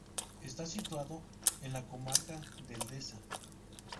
Está situado en la comarca del Deza.